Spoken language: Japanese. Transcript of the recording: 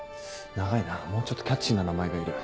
長いなもうちょっとキャッチーな名前がいる。